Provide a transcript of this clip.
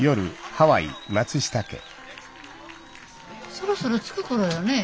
そろそろ着く頃よね？